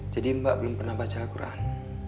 jadi mbak belum pernah baca al quran